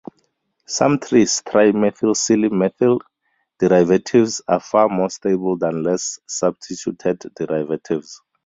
Some tris(trimethylsilyl)methyl derivatives are far more stable than less substituted derivatives.